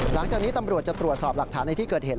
หลังจากนี้ตำรวจจะตรวจสอบหลักฐานในที่เกิดเหตุ